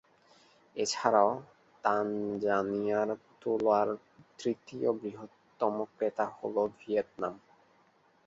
এছাড়াও, তানজানিয়ার তুলার তৃতীয় বৃহত্তম ক্রেতা হল ভিয়েতনাম।